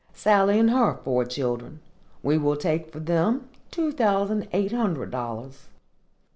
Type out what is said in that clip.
Sally and her four children. We will take for them two thousand eight hundred dollars.